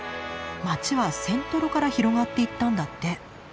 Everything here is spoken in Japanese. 街はセントロから広がっていったんだって。